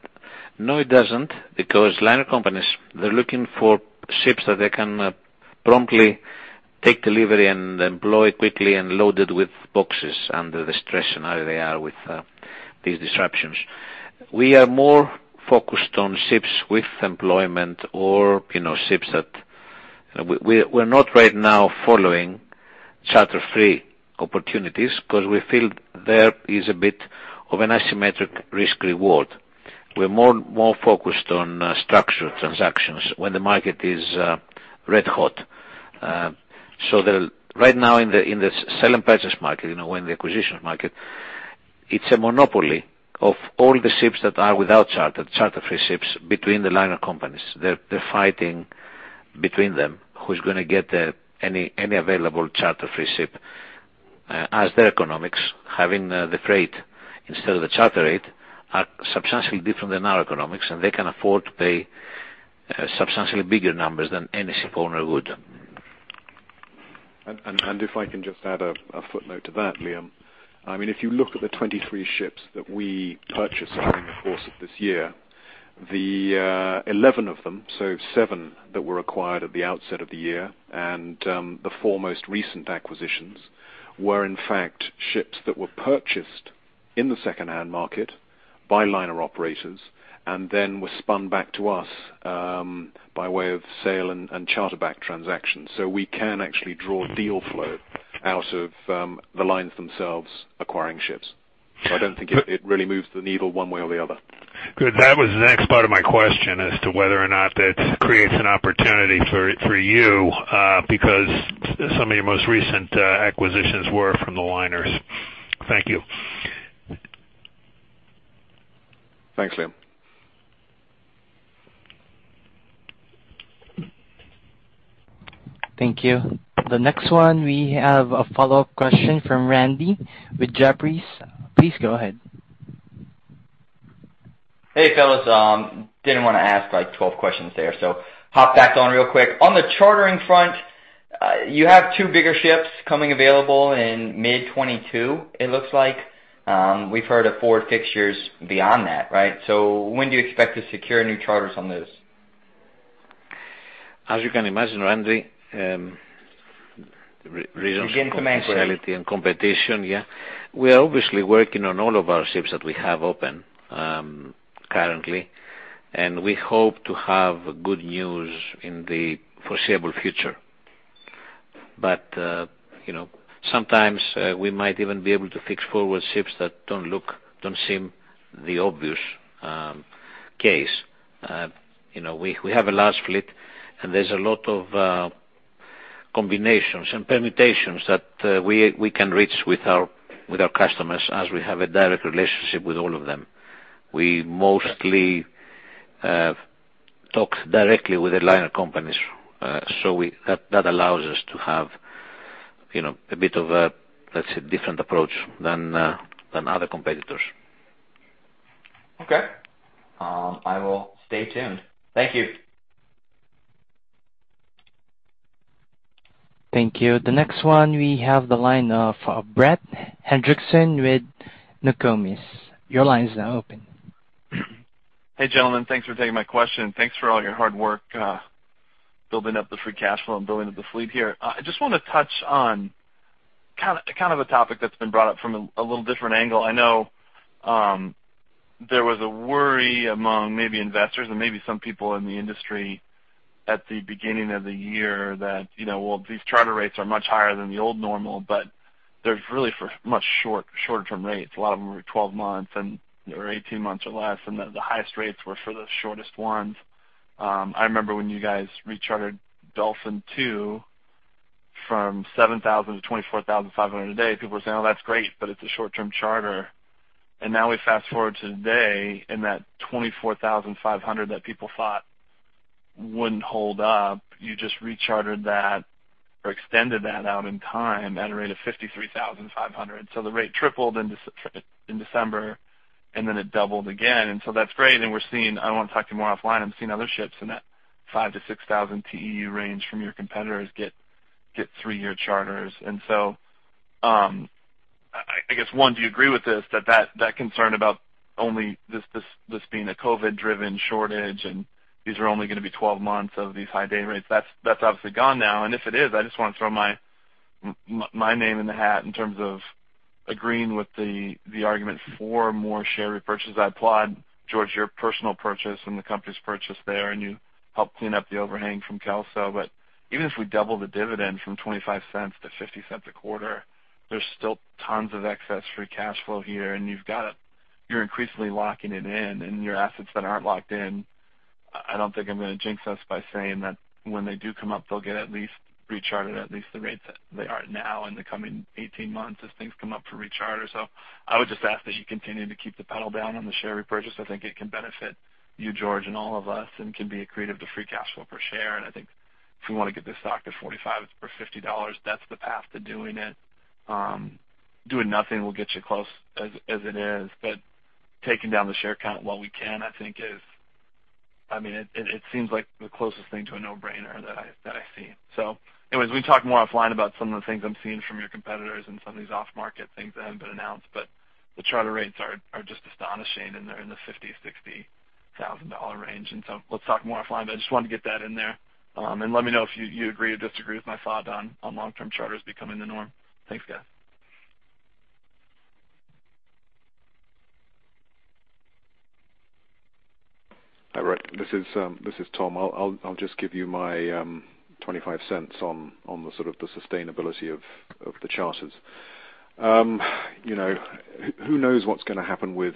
No, it doesn't because liner companies, they're looking for ships that they can promptly take delivery and employ quickly and load it with boxes under the stress scenario they are with these disruptions. We are more focused on ships with employment or, you know, we're not right now following charter-free opportunities because we feel there is a bit of an asymmetric risk/reward. We're more focused on structured transactions when the market is red hot. Right now in the sell and purchase market, you know, in the acquisition market, it's a monopoly of all the ships that are without charter-free ships between the liner companies. They're fighting between them, who's going to get any available charter-free ship, as their economics, having the freight instead of the charter rate, are substantially different than our economics, and they can afford to pay substantially bigger numbers than any ship owner would. If I can just add a footnote to that, Liam. I mean, if you look at the 23 ships that we purchased during the course of this year, the 11 of them, so seven that were acquired at the outset of the year and the four most recent acquisitions were in fact ships that were purchased in the secondhand market by liner operators and then were spun back to us by way of sale and charter back transactions. We can actually draw deal flow out of the lines themselves acquiring ships. I don't think it really moves the needle one way or the other. Good. That was the next part of my question as to whether or not that creates an opportunity for you, because some of your most recent acquisitions were from the liners. Thank you. Thanks, Liam. Thank you. The next one, we have a follow-up question from Randy with Jefferies. Please go ahead. Hey, fellas. Didn't want to ask like 12 questions there, so hop back on real quick. On the chartering front, you have two bigger ships coming available in mid-2022 it looks like. We've heard of four fixtures beyond that, right? When do you expect to secure new charters on those? As you can imagine, Randy. Begin to come in. For reasons of confidentiality and competition, yeah. We are obviously working on all of our ships that we have open, currently, and we hope to have good news in the foreseeable future. You know, sometimes we might even be able to fix forward ships that don't look, don't seem the obvious case. You know, we have a large fleet, and there's a lot of combinations and permutations that we can reach with our customers as we have a direct relationship with all of them. We mostly talk directly with the liner companies. That allows us to have, you know, a bit of a, let's say, different approach than other competitors. Okay. I will stay tuned. Thank you. Thank you. The next one, we have the line of Brett Hendrickson with Nokomis. Your line is now open. Hey, gentlemen. Thanks for taking my question. Thanks for all your hard work, building up the free cash flow and building up the fleet here. I just want to touch on kind of a topic that's been brought up from a little different angle. I know there was a worry among maybe investors and maybe some people in the industry at the beginning of the year that, you know, well, these charter rates are much higher than the old normal, but they're really for much short-term rates. A lot of them were 12 months and/or 18 months or less, and the highest rates were for the shortest ones. I remember when you guys rechartered Dolphin II from $7,000 to $24,500 a day, people were saying, "Oh, that's great, but it's a short-term charter." Now we fast-forward to today, and that $24,500 that people thought wouldn't hold up, you just rechartered that or extended that out in time at a rate of $53,500. The rate tripled in December, and then it doubled again. That's great, and we're seeing, I want to talk to you more offline, I'm seeing other ships in that 5,000-6,000 TEU range from your competitors get three-year charters. I guess one, do you agree with this, that concern about only this being a COVID-driven shortage and these are only going to be 12 months of these high day rates? That's obviously gone now. If it is, I just want to throw my name in the hat in terms of agreeing with the argument for more share repurchases. I applaud, George, your personal purchase and the company's purchase there, and you helped clean up the overhang from Kelso. Even if we double the dividend from $0.25 to $0.50 a quarter, there's still tons of excess free cash flow here, and you've got it—you're increasingly locking it in, and your assets that aren't locked in. I don't think I'm gonna jinx us by saying that when they do come up, they'll get at least rechartered, at least the rates that they are now in the coming 18 months as things come up for recharter. I would just ask that you continue to keep the pedal down on the share repurchase. I think it can benefit you, George, and all of us, and can be accretive to free cash flow per share. I think if we wanna get this stock to $45 or $50, that's the path to doing it. Doing nothing will get you close as it is, but taking down the share count while we can, I think, is... I mean, it seems like the closest thing to a no-brainer that I see. Anyways, we can talk more offline about some of the things I'm seeing from your competitors and some of these off-market things that haven't been announced, but the charter rates are just astonishing, and they're in the $50,000-$60,000 range. Let's talk more offline, but I just wanted to get that in there. And let me know if you agree or disagree with my thought on long-term charters becoming the norm. Thanks, guys. All right. This is Tom. I'll just give you my 25 cents on the sort of sustainability of the charters. You know, who knows what's gonna happen with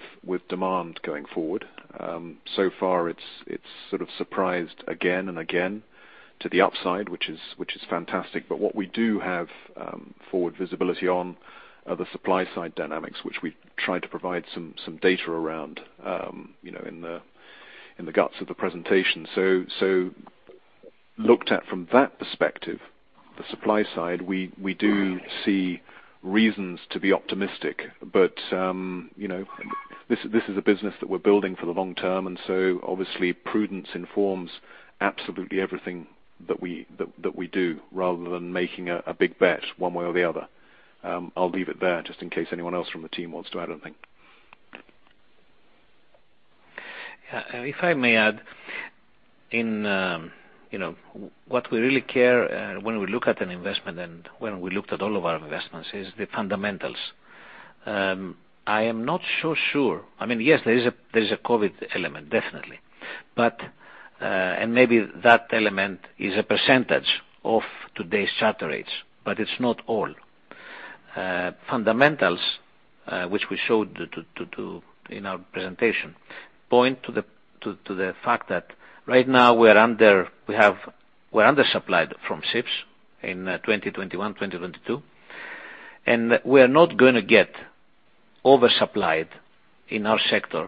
demand going forward. So far, it's sort of surprised again and again to the upside, which is fantastic. But what we do have forward visibility on are the supply side dynamics, which we've tried to provide some data around, you know, in the guts of the presentation. Looked at from that perspective, the supply side, we do see reasons to be optimistic. You know, this is a business that we're building for the long term, and so obviously prudence informs absolutely everything that we do, rather than making a big bet one way or the other. I'll leave it there just in case anyone else from the team wants to add anything. Yeah. If I may add in, you know, what we really care, when we look at an investment and when we looked at all of our investments, is the fundamentals. I am not so sure. I mean, yes, there is a COVID element, definitely. Maybe that element is a percentage of today's charter rates, but it's not all. Fundamentals, which we showed to you in our presentation, point to the fact that right now we're undersupplied from ships in 2021, 2022. We are not gonna get oversupplied in our sector,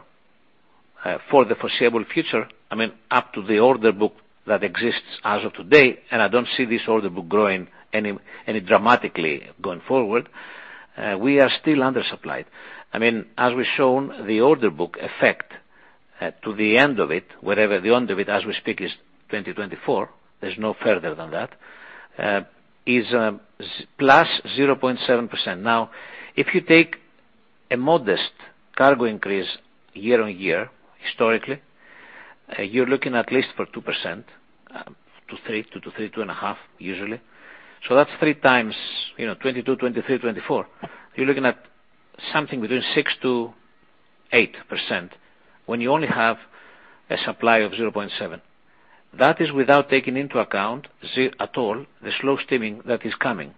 for the foreseeable future, I mean, up to the order book that exists as of today, and I don't see this order book growing any dramatically going forward. We are still undersupplied. I mean, as we've shown the order book effect to the end of it, whatever the end of it as we speak is 2024, there's no further than that, is +0.7%. Now, if you take a modest cargo increase year-on-year, historically, you're looking at least for 2% to 3%, 2.5% usually. That's three times, you know, 2022, 2023, 2024. You're looking at something between 6%-8% when you only have a supply of 0.7%. That is without taking into account any at all the slow steaming that is coming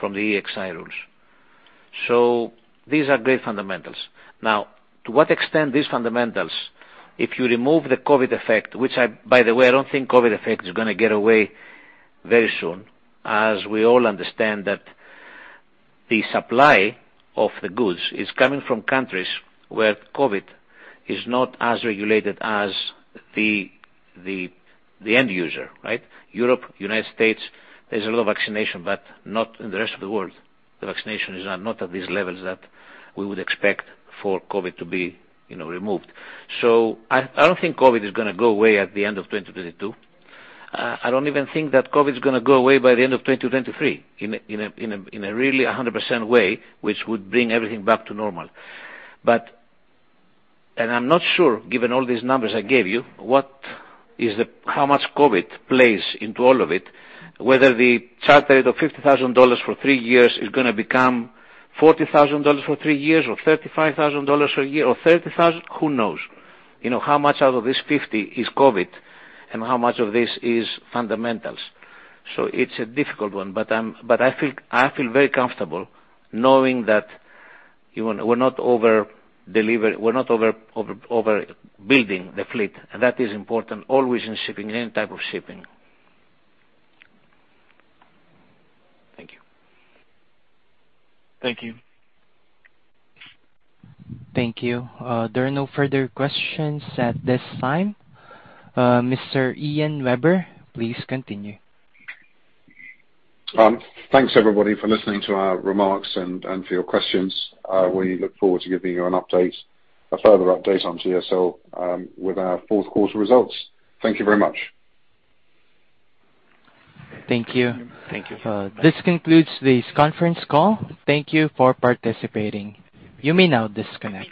from the EEXI rules. These are great fundamentals. Now, to what extent these fundamentals, if you remove the COVID effect, which, by the way, I don't think COVID effect is gonna get away very soon, as we all understand that the supply of the goods is coming from countries where COVID is not as regulated as the end user, right? Europe, United States, there's a lot of vaccination, but not in the rest of the world. The vaccination is not at these levels that we would expect for COVID to be, you know, removed. So I don't think COVID is gonna go away at the end of 2022. I don't even think that COVID is gonna go away by the end of 2023 in a really a hundred percent way, which would bring everything back to normal. I'm not sure, given all these numbers I gave you, how much COVID plays into all of it, whether the charter rate of $50,000 for three years is gonna become $40,000 for three years or $35,000 a year or $30,000. Who knows? You know, how much out of this $50,000 is COVID and how much of this is fundamentals. It's a difficult one, but I feel very comfortable knowing that even we're not overbuilding the fleet. That is important always in shipping, any type of shipping. Thank you. Thank you. Thank you. There are no further questions at this time. Mr. Ian Webber, please continue. Thanks everybody for listening to our remarks and for your questions. We look forward to giving you an update, a further update on GSL, with our fourth quarter results. Thank you very much. Thank you. Thank you. This concludes this conference call. Thank you for participating. You may now disconnect.